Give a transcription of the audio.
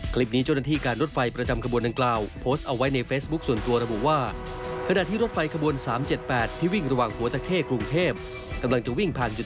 คลิปนี้เจ้าหน้าที่การรถไฟประจำขบวนดังกล่าวโพสต์เอาไว้ในเฟซบุ๊คส่วนตัว